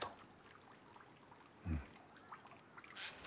うん。